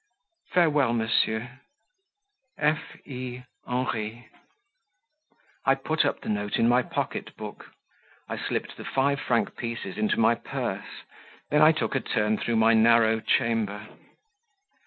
"Farewell, Monsieur. "F. E. HENRI." I put up the note in my pocket book. I slipped the five franc pieces into my purse then I took a turn through my narrow chamber.